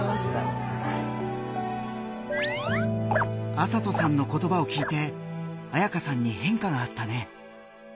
麻斗さんの言葉を聞いてあやかさんに変化があったね。